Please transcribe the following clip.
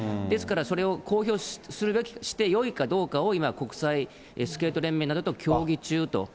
ですからそれを公表してよいかどうかを、今、国際スケート連盟などと協議中と。